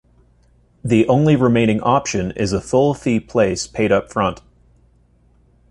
The only remaining option is a full-fee place paid upfront.